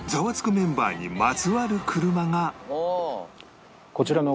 メンバーにまつわる車があっ！